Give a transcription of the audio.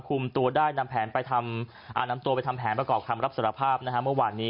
คุมตัวได้นำตัวไปทำแผนประกอบคำรับสารภาพเมื่อวานนี้